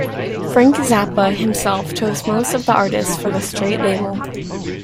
Frank Zappa himself chose most of the artists for the Straight label.